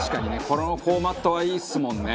このフォーマットはいいですもんね。